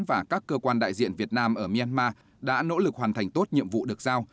và các cơ quan đại diện việt nam ở myanmar đã nỗ lực hoàn thành tốt nhiệm vụ được giao